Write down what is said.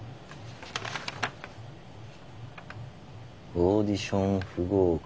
「オーディション不合格」。